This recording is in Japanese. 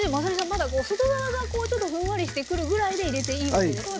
まだ外側がちょっとふんわりしてくるぐらいで入れていいんですね。